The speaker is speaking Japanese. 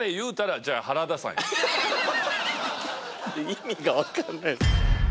意味が分かんないです。